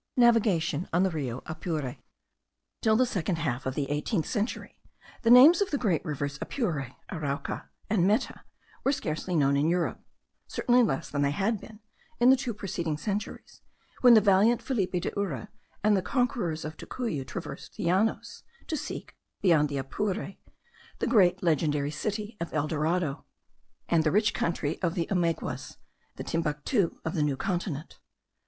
NAVIGATION ON THE RIO APURE. Till the second half of the eighteenth century the names of the great rivers Apure, Arauca, and Meta were scarcely known in Europe: certainly less than they had been in the two preceding centuries, when the valiant Felipe de Urre and the conquerors of Tocuyo traversed the Llanos, to seek, beyond the Apure, the great legendary city of El Dorado, and the rich country of the Omeguas, the Timbuctoo of the New Continent.